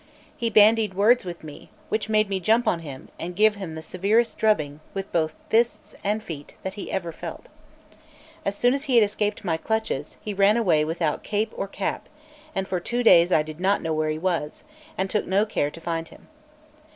He bandied words with me, which made me jump on him and give him the severest drubbing with both fists and feet that he had ever felt. As soon as he escaped my clutches, he ran away without cape or cap, and for two days I did not know where he was, and took no care to find him.